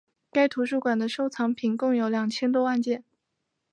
该图书馆的收藏品共有两千多万件。